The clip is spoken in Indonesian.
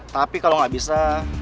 tapi kalau gak bisa